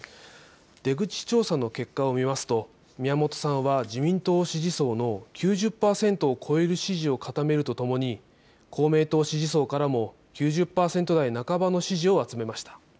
出口調査の結果を見ますと宮本さんは自民党支持層の９０％を超える支持を固めるとともに公明党支持層からも９０％台半ばの支持を集めました。